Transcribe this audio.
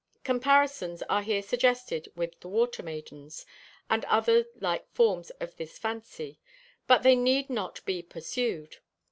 Comparisons are here suggested with the water maidens, and other like forms of this fancy; but they need not be pursued.